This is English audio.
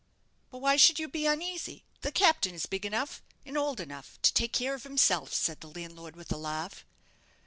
"But why should you be uneasy? The captain is big enough, and old enough, to take care of himself," said the landlord, with a laugh.